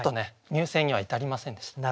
入選には至りませんでした。